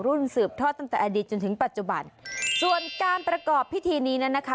สืบทอดตั้งแต่อดีตจนถึงปัจจุบันส่วนการประกอบพิธีนี้นั้นนะคะ